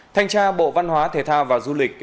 thanh tra bộ văn hóa thể thao và du lịch